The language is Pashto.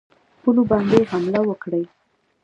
پولو باندي حمله وکړي.